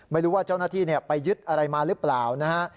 ไม่รู้ว่าเจ้าหน้าที่ไปยึดอะไรมาหรือเปล่านะฮะ